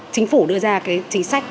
chính phủ đưa ra cái chính sách